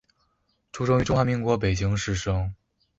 出生于中华民国北京市生。